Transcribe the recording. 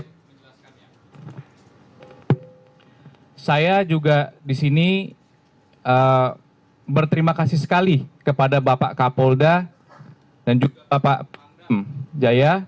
kita juga di sini berterima kasih sekali kepada bapak kapolda dan juga bapak jaya